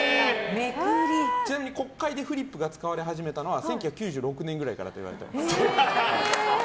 ちなみに国会でフリップが使われ始めたのは１９９６年くらいからといわれています。